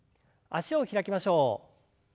脚を開きましょう。